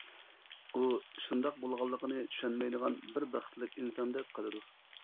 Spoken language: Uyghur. ئۇ شۇنداق بولغانلىقىنى چۈشەنمەيدىغان بىر بەختلىك ئىنساندەك قىلىدۇ.